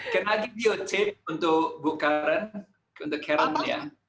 kena lagi tips untuk bu karen untuk karen ya